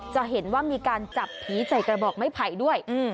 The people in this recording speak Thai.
จะเห็นว่ามีการจับผีใส่กระบอกไม้ไผ่ด้วย